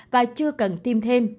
và chưa cần tiêm thêm